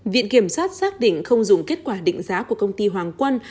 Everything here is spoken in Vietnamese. viện kiểm sát xác định không dùng kết quả định giá của công ty hoàng quân